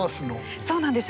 そうなんです！